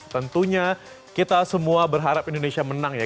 tentunya kita semua berharap indonesia menang ya